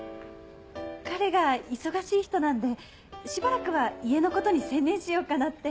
彼が忙しい人なんでしばらくは家のことに専念しようかなって。